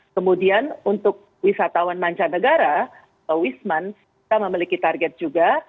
kemudian untuk wisatawan mancanegara atau wisman kita memiliki target juga